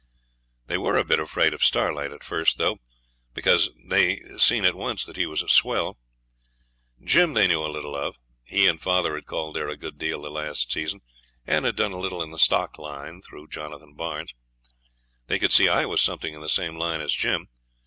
They were a bit afraid of Starlight at first, though, because they seen at once that he was a swell. Jim they knew a little of; he and father had called there a good deal the last season, and had done a little in the stock line through Jonathan Barnes. They could see I was something in the same line as Jim.